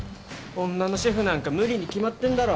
女のシェフなんか無理に決まってんだろ。